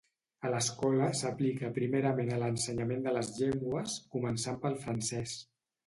A l'escola s'aplica primerament a l'ensenyament de les llengües, començant pel francès.